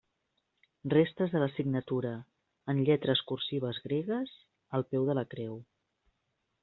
Restes de la signatura en lletres cursives gregues al peu de la Creu.